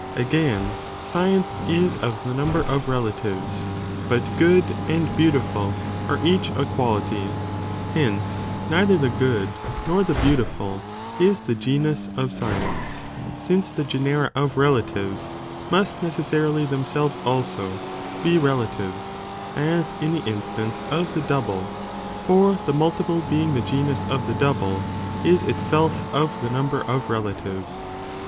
Again, science'is of the number of relatives, but good, and beautiful, are each a quality, hence neither the good, nor the beautiful, is the genus of science, since the genera of relatives, must necessarily themselves also, be relatives, as in the instance of the double, for the multiple being the genus of the double, is itself of the number of relatives.